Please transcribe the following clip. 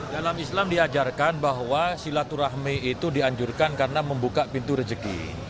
dalam islam diajarkan bahwa silaturahmi itu dianjurkan karena membuka pintu rezeki